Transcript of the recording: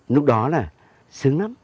lúc đó là sướng lắm